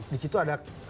di situ ada